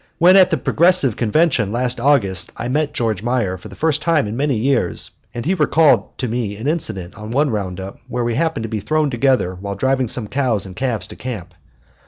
When at the Progressive Convention last August, I met George Meyer for the first time in many years, and he recalled to me an incident on one round up where we happened to be thrown together while driving some cows and calves to camp.